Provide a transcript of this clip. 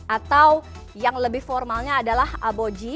atau yang lebih formalnya adalah aboji